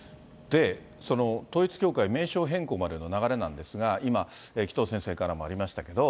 統一教会、名称変更までの流れなんですが、今、紀藤先生からもありましたけど。